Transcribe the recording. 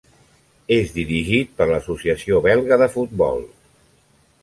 És dirigit per l'Associació Belga de Futbol.